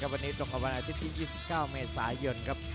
วันนี้ตรงกับวันอาทิตย์ที่๒๙เมษายนครับ